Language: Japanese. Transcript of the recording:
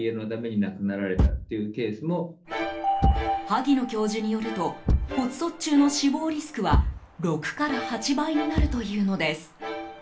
萩野教授によると骨卒中の死亡リスクは６８倍になるというのです。